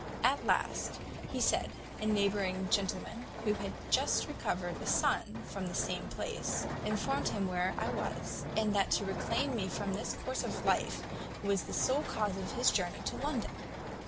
At last, he said, a neighbouring gentleman, who had just recovered a son from the same place, informed him where I was; and that to reclaim me from this course of life was the sole cause of his journey to London.'